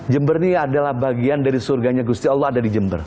jember ini adalah bagian dari surganya gusti allah ada di jember